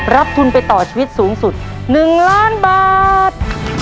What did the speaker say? รับทุนไปต่อชีวิตสูงสุด๑ล้านบาท